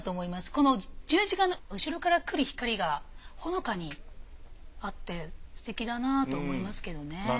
この十字架の後ろからくる光がほのかにあってすてきだなと思いますけどね。